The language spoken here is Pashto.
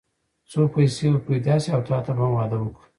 څو پيسې به پيدا شي او تاته به هم واده وکړو.